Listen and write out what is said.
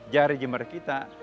jari jembat kita